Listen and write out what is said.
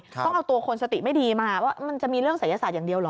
ต้องเอาตัวคนสติไม่ดีมาว่ามันจะมีเรื่องศัยศาสตร์อย่างเดียวเหรอ